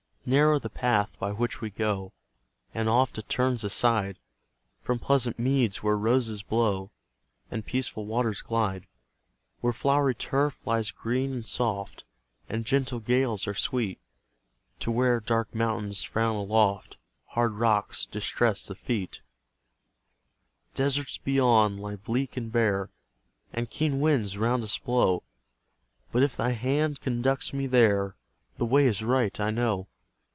Narrow the path by which we go, And oft it turns aside From pleasant meads where roses blow, And peaceful waters glide; Where flowery turf lies green and soft, And gentle gales are sweet, To where dark mountains frown aloft, Hard rocks distress the feet, Deserts beyond lie bleak and bare, And keen winds round us blow; But if thy hand conducts me there, The way is right, I know.